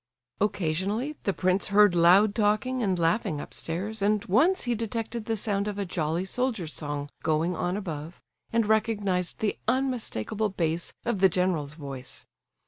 Occasionally the prince heard loud talking and laughing upstairs, and once he detected the sound of a jolly soldier's song going on above, and recognized the unmistakable bass of the general's voice.